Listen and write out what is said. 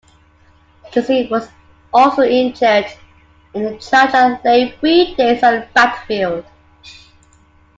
Jesse was also injured in the charge and lay three days on the battlefield.